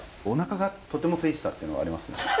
おなかがとてもすいてたっていうのはありますね。